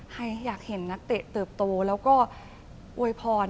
อยากเห็นนักเตะเติบโตแล้วก็อวยพร